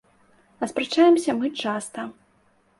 А спрачаемся мы часта.